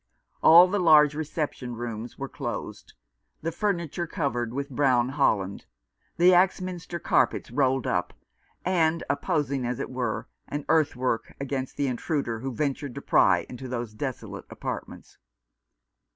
All the large reception rooms were closed, the furniture covered with brown holland, the Axminster carpets rolled up, and opposing, as it were, an earth work against the intruder who ventured to pry into those desolate apartments.